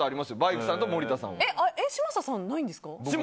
嶋佐さんはないんですか？